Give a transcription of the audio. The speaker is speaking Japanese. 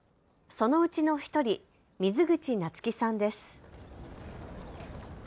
そのうちの１人、水口奈津季さんです。